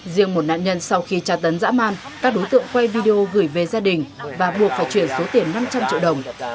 riêng một nạn nhân sau khi tra tấn dã man các đối tượng quay video gửi về gia đình và buộc phải chuyển số tiền năm trăm linh triệu đồng